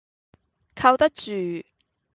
靠得住